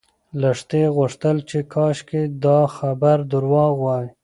لښتې غوښتل چې کاشکې دا خبر درواغ وای.